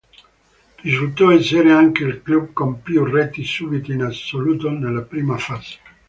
Risultò essere anche il club con più reti subite in assoluto nella prima fase.